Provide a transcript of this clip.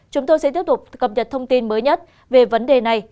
chúng tôi sẽ tiếp tục cập nhật thông tin mới nhất về vấn đề này